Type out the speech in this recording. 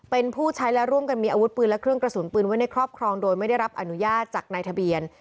เป็นผู้ใช้และร่วมกันมีอาวุธปืนและเครื่องกระสุนปืนไว้ในครอบครองโดยไม่ได้รับอนุญาตจากนายทะเบียน